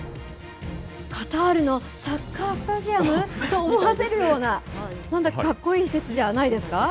カタールのサッカースタジアム？と思わせるような、なんだかかっこいい施設じゃないですか？